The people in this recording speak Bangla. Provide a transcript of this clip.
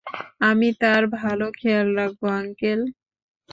আমি তার ভালো খেয়াল রাখবো, আঙ্কেল!